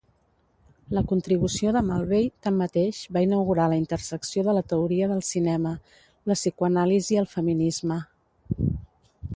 La contribució de Mulvey, tanmateix, va inaugurar la intersecció de la teoria del cinema, la psicoanàlisi el feminisme.